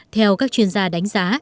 theo các chuyên gia đánh giá